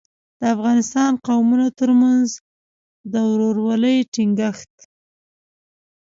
د افغانستان قومونو ترمنځ د ورورۍ ټینګښت.